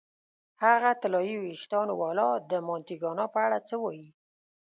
هغه طلايي وېښتانو والا، د مانتیګنا په اړه څه وایې؟